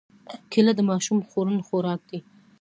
کېله د ماشوم خوړن خوراک دی.